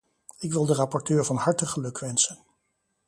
Ik wil de rapporteur van harte gelukwensen.